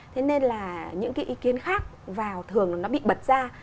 thế nên là những cái ý kiến khác vào thường nó bị bật ra